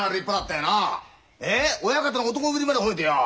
親方の男ぶりまで褒めてよう。